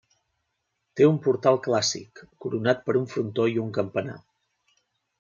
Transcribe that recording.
Té un portal clàssic, coronat per un frontó, i un campanar.